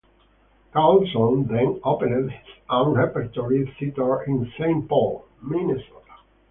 Carlson then opened his own repertory theater in Saint Paul, Minnesota.